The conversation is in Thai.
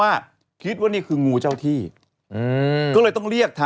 อาจจะเชียด